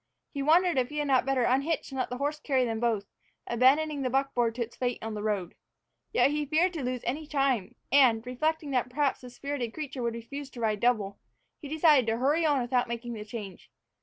He wondered if he had not better unhitch and let the horse carry them both, abandoning the buckboard to its fate on the road. Yet he feared to lose any time, and, reflecting that perhaps the spirited creature would refuse to ride double, he decided to hurry on without making the change.